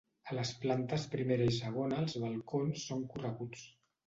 A les plantes primera i segona els balcons són correguts.